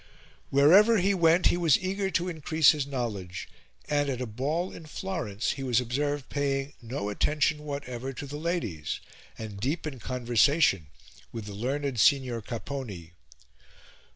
Wherever he went he was eager to increase his knowledge, and, at a ball in Florence, he was observed paying no attention whatever to the ladies, and deep in conversation with the learned Signor Capponi.